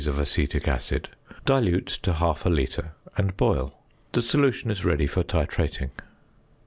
of acetic acid, dilute to half a litre, and boil. The solution is ready for titrating.